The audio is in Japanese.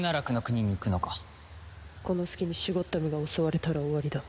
この隙にシュゴッダムが襲われたら終わりだ。